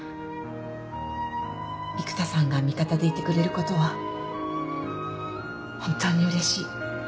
育田さんが味方でいてくれることは本当にうれしい。